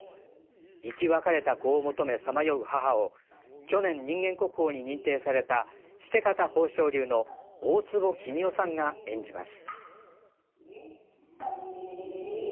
生き別れた子を求めさまよう母を去年人間国宝に認定されたシテ方宝生流の大坪喜美雄さんが演じます。